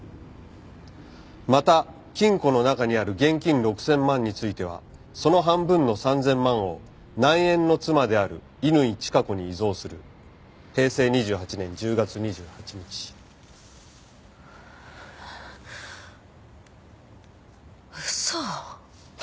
「また金庫の中にある現金六千万についてはその半分の三千万を内縁の妻である乾チカ子に遺贈する」「平成二十八年十月二十八日」嘘！